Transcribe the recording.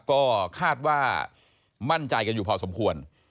ก็คาดว่ามั่นใจกันอยู่พอสมควร